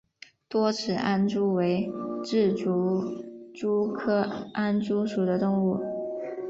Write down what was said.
多齿安蛛为栉足蛛科安蛛属的动物。